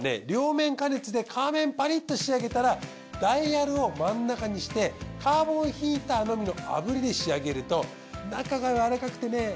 両面加熱で皮面パリッと仕上げたらダイヤルを真ん中にしてカーボンヒーターのみの炙りで仕上げると中がやわらかくてね